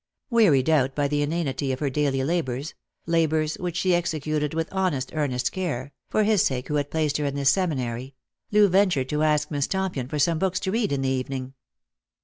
Wearied out by the inanity of her daily labours labours which she executed with honest earnest care, for his sake who had placed her in this seminary — Loo ventured to ask Miss Tompion for some books to read in the evening.